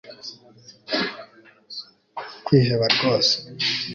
Kwiheba rwose